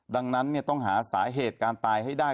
ดังนั้นต้องหาสาเหตุการตายให้ได้